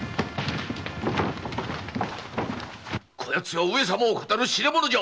こやつは上様を騙る痴れ者じゃ。